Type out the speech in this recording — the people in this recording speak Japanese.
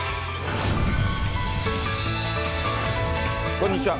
こんにちは。